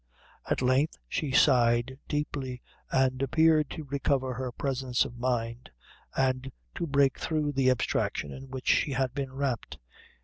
At length she sighed deeply, and appeared to recover her presence of mind, and to break through the abstraction in which she had been wrapped.